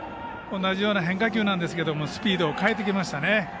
同じような変化球なんですけどもスピードを変えてきましたね。